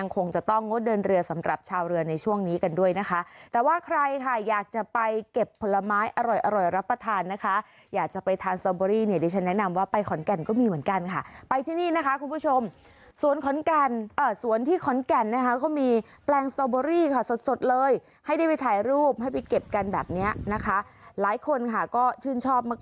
คงจะต้องงดเดินเรือสำหรับชาวเรือในช่วงนี้กันด้วยนะคะแต่ว่าใครค่ะอยากจะไปเก็บผลไม้อร่อยรับประทานนะคะอยากจะไปทานสตอเบอรี่เนี่ยดิฉันแนะนำว่าไปขอนแก่นก็มีเหมือนกันค่ะไปที่นี่นะคะคุณผู้ชมสวนขอนแก่นสวนที่ขอนแก่นนะคะก็มีแปลงสตอเบอรี่ค่ะสดสดเลยให้ได้ไปถ่ายรูปให้ไปเก็บกันแบบเนี้ยนะคะหลายคนค่ะก็ชื่นชอบมาก